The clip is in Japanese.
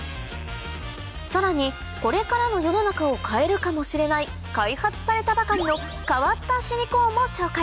さらにこれからの世の中を変えるかもしれない開発されたばかりの変わったシリコーンも紹介